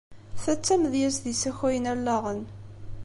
Ta d tamedyazt issakayen allaɣen.